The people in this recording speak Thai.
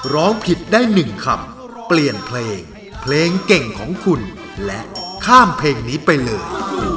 ร้องผิดได้๑คำเปลี่ยนเพลงเพลงเก่งของคุณและข้ามเพลงนี้ไปเลย